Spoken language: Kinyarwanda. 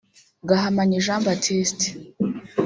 Gahamanyi Jean Baptiste